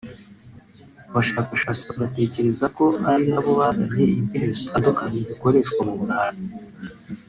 abashakashatsi bagatekereza ko ari nabo bazanye indimi zitandukanye zikoreshwa mu Burayi